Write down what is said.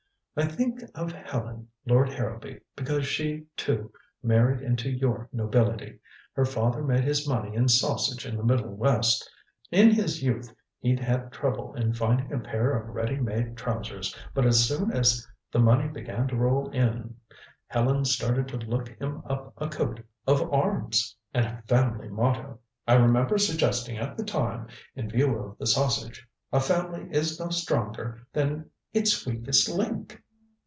"I think of Helen, Lord Harrowby, because she, too, married into your nobility. Her father made his money in sausage in the Middle West. In his youth he'd had trouble in finding a pair of ready made trousers, but as soon as the money began to roll in, Helen started to look him up a coat of arms. And a family motto. I remember suggesting at the time, in view of the sausage: 'A family is no stronger than its weakest link.'"